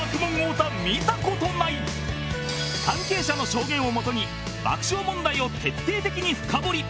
関係者の証言をもとに爆笑問題を徹底的に深掘り